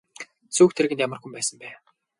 Сүйх тэргэнд ямар хүн байсан бэ?